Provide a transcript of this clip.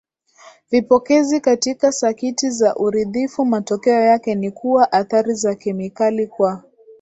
vipokezi katika sakiti za uridhifu Matokeo yake ni kuwa athari za kemikali kwa